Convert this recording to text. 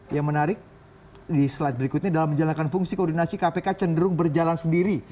yang menarik di slide berikutnya dalam menjalankan fungsi koordinasi kpk cenderung berjalan sendiri